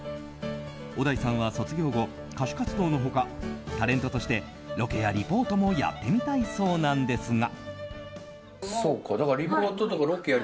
小田井さんは卒業後歌手活動の他タレントとしてロケやリポートもやってみたいそうなんですが。